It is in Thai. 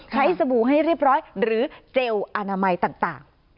สบู่ให้เรียบร้อยหรือเจลอนามัยต่าง